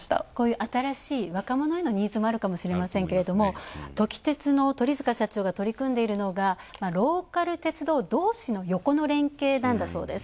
新しい若者へのニーズもあるかもしれませんがトキ鉄、音鳥塚社長が取り組んでいるのがローカル鉄道同士の同士の横の連携なんだそうです。